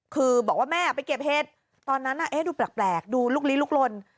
คือบอกว่าแม่ไปเก็บเห็ดตอนนั้นดูแปลกดูลุกลี้ลุกลน